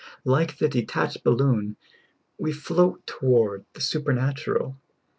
Like the detached bal loon, we float toward the supernatural.